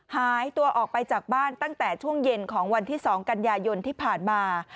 หายตัวออกไปจากบ้านตั้งแต่ช่วงเย็นของวันที่๒กันยายนที่ผ่านมา